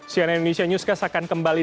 cnn indonesia newscast akan kembali